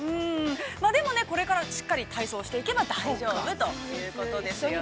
でも、これから、しっかり体操していけば、大丈夫ということですよね。